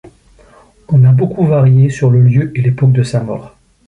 On a beaucoup varié sur le lieu et l'époque de sa mort.